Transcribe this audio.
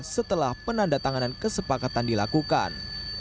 setelah penandatanganan kesepakatan dilakukan